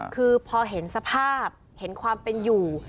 คือพอเห็นสภาพเห็นความเป็นอยู่